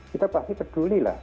kita pasti pedulilah